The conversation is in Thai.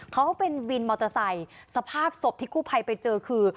เขาเป็นวินมอเตอร์ไซค์สภาพศพที่กู้ภัยไปเจอคือ